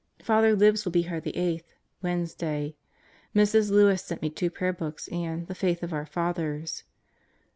Father Libs will be here the eighth Wednesday. Mrs. Lewis sent me two prayer books and "The Faith of Our Fathers."